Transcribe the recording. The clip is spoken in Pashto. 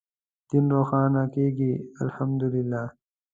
دین روښانه کېږي الحمد لله.